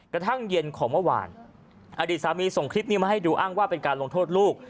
กระทั่งเย็นของเมื่อวานอดีตสามีส่งคลิปนี้มาให้ดูอ้างว่าเป็นการลงโทษลูก